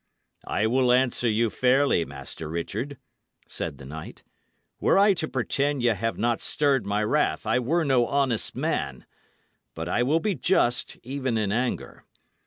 "I will answer you fairly, Master Richard," said the knight. "Were I to pretend ye have not stirred my wrath, I were no honest man. But I will be just even in anger.